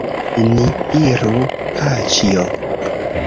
Ni iru, paĉjo.